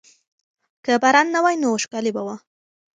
که باران نه وای نو وچکالي به وه.